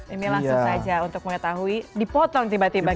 ini langsung saja untuk mengetahui dipotong tiba tiba